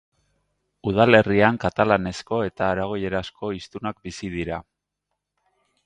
Udalerrian katalanezko eta aragoierazko hiztunak bizi dira.